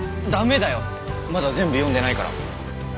駄目だよまだ全部読んでないから。